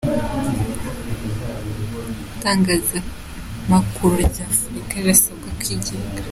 Itangazamakuru ry’Afurika rirasabwa kwigenga